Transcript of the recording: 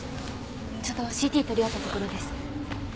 ちょうどＣＴ撮り終わったところです。